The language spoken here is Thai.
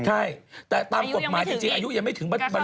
ใช่แต่ตามกฎหมายจริงอายุยังไม่ถึงบรรลุนที่๔ภาวะ